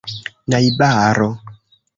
najbaro